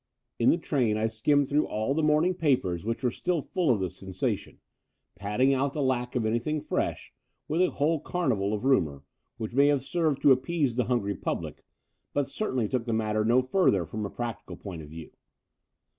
In the train I skimmed through all the morning papers which were still full of the sensation, padding out the lack of anything fresh with a whole carnival of rumour, which may have served to appease the hungry public, but certainly took the matter no further from a practical point of view.